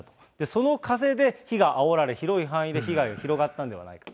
その風で火があおられ、広い範囲で被害が広がったんではないか。